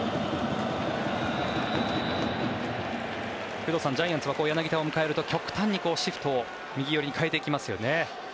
工藤さん、ジャイアンツは柳田を迎えると極端にシフトを右寄りに変えてきますよね。